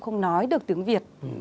không nói được tiếng việt